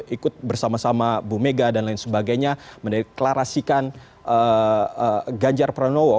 ikut bersama sama bumega dan lain sebagainya meneklarasikan ganjar pranowo